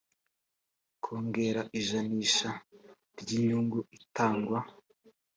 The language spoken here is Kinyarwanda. kongera ijanisha ry inyungu itangwa